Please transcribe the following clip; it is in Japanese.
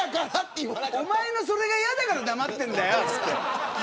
おまえのそれが嫌だから黙ってるんだよって。